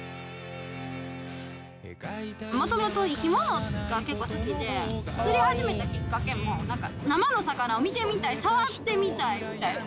元々生き物が結構好きで釣り始めたきっかけも生の魚を見てみたい触ってみたいみたいな。